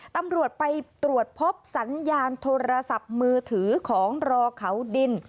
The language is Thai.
ตำรวจไปตรวจพบสัญญาณโทรศัพท์มือถือของรอเขาดิน